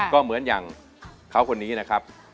ก็เหมือนอย่างเขาคนนี้นะครับ